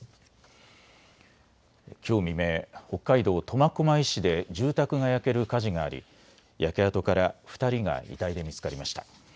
きょう未明、北海道苫小牧市で住宅が焼ける火事があり焼け跡から２人が遺体で見つかりました。